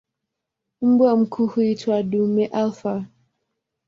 Mbwa mkuu huitwa "dume alfa".